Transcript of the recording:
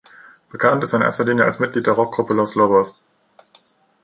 Bekannt ist er in erster Linie als Mitglied der Rockgruppe Los Lobos.